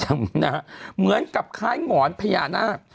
จำนะเหมือนกับคล้ายหมอนพญานาค